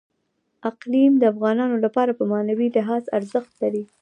اقلیم د افغانانو لپاره په معنوي لحاظ ارزښت لري.